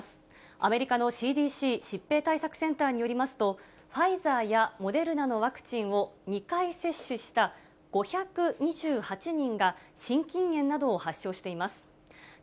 アメリカのＣＤＣ・疾病対策センターによりますと、ファイザーやモデルナのワクチンを２回接種した５２８人が、心筋炎などを発症しています。